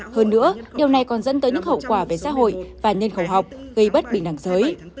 hơn nữa điều này còn dẫn tới những hậu quả về xã hội và nhân khẩu học gây bất bình đẳng giới